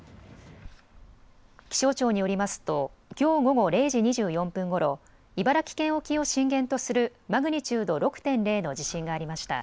気象庁によりますときょう午後０時２４分ごろ、茨城県沖を震源とするマグニチュード６．０の地震がありました。